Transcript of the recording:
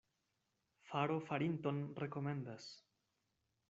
Faro farinton rekomendas.